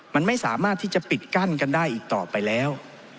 มันไม่สามารถที่จะปิดกั้นกันได้อีกต่อไปแล้ว